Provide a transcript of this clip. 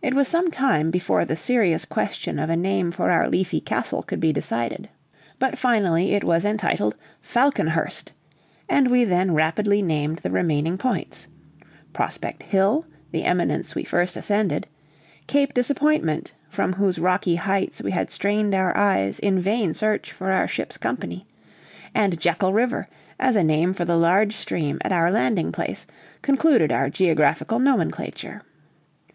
It was some time before the serious question of a name for our leafy castle could be decided. But finally it was entitled Falconhurst;[B] and we then rapidly named the remaining points: Prospect Hill, the eminence we first ascended; Cape Disappointment, from whose rocky heights we had strained our eyes in vain search for our ship's company; and Jackal River, as a name for the large stream at our landing place, concluded our geographical nomenclature. [B] Horst, in German, means "nest" or "eyrie."